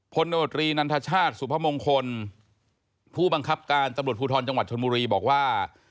โนตรีนันทชาติสุพมงคลผู้บังคับการตำรวจภูทรจังหวัดชนบุรีบอกว่า